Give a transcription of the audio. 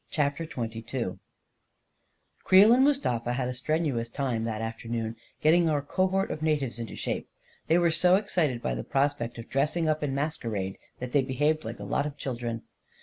CHAPTER XXII Creel and Mustafa had a strenuous time, that afternoon, getting our cohort of natives into shape. They were so excited by the prospect of dressing up in masquerade that they behaved like a lot of children.